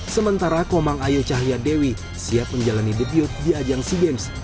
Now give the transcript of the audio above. sementara komang ayu cahya dewi siap menjalani debut di ajang sea games